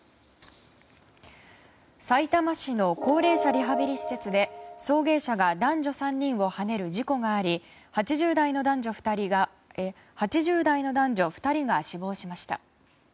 さいたま市の高齢者リハビリ施設で送迎車が男女３人をはねる事故があり８０代の男女２人が死亡しました。